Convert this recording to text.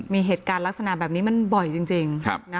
มีเหตุการณ์ลักษณะแบบนี้มันบ่อยจริง